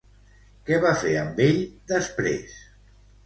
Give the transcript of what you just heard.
Què va fer amb ell després?